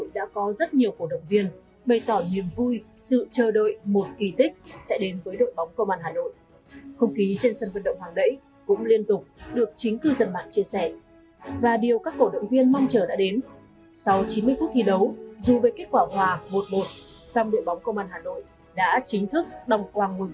rất nhiều lời chúc được cư dân mạng gửi đến đội bóng